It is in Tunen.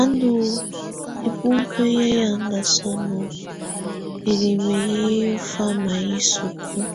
Ú ndù ibuŋkǝ yɛ ƴaŋda sɔnɔ ǝlimǝ yɛ ɔ ɔfama yɛ sukulu.